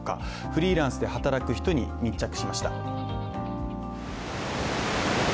フリーランスで働く人に密着しました。